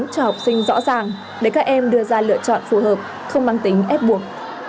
cho học sinh rõ ràng để các em đưa ra lựa chọn phù hợp không mang tính ép buộc